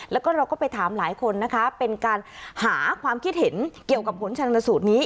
แล้วก็เราก็ไปถามหลายคนนะคะเป็นการหาความคิดเห็นเกี่ยวกับผลชนสูตรนี้